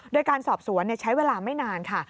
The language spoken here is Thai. โดยการสอบสวนใช้เวลาไม่นานค่ะ